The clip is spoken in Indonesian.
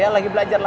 ya lagi belajar lagi